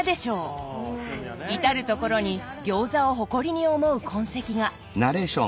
至る所に餃子を誇りに思う痕跡が！